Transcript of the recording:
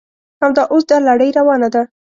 همدا اوس دا لړۍ روانه ده.